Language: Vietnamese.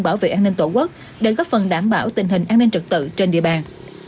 bảo vệ an ninh tổ quốc để góp phần đảm bảo tình hình an ninh trật tự trên địa bàn